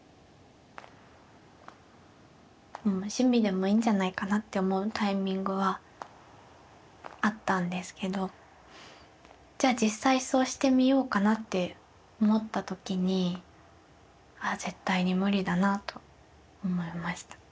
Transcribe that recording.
もう趣味でもいいんじゃないかなって思うタイミングはあったんですけどじゃあ実際そうしてみようかなって思った時にああ絶対に無理だなと思いました。